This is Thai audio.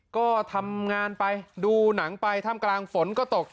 ก็ทำงานไปดูหนังไปท่ามกลางฝนก็ตก